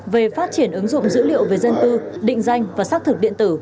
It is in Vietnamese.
về phát triển ứng dụng dữ liệu về dân cư định danh và xác thực điện tử